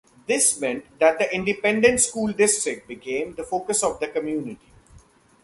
This meant that the independent school district became the focus of the community.